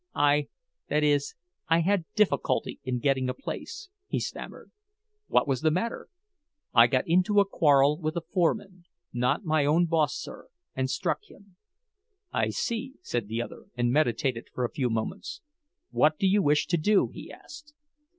"I—that is—I had difficulty in getting a place," he stammered. "What was the matter?" "I got into a quarrel with a foreman—not my own boss, sir—and struck him." "I see," said the other, and meditated for a few moments. "What do you wish to do?" he asked.